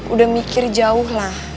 udah mikir jauh lah